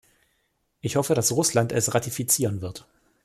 Ich hoffe, dass Russland es ratifizieren wird.